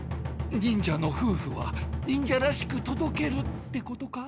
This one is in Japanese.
忍者のふうふは忍者らしくとどけるってことか？